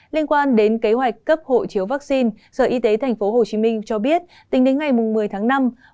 liên quan đến kế hoạch cấp hộ chiếu vaccine sở y tế tp hcm cho biết tính đến ngày một mươi tháng năm